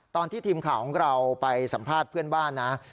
ตอนที่ทีมข่าวของเราไปสัมภาษณ์เพื่อนบ้านนะ